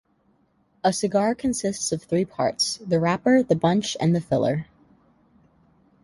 A cigar consists of three parts, the wrapper, the bunch, and the filler.